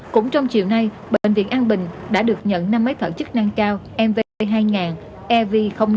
cũng trong chiều nay bệnh viện an bình đã được nhận năm máy phẩm chức năng cao mv hai ev năm